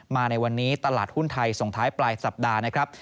มาในวันนี้ตลาดหุ้นไทยส่งท้ายปลายสัปดาห์นะครับ